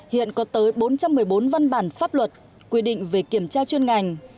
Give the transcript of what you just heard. hiện có tới bốn trăm một mươi bốn văn bản pháp luật quy định về kiểm tra chuyên ngành